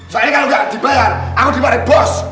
soalnya kalau gak dibayar aku dibayar dari bos